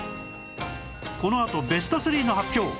このあとベスト３の発表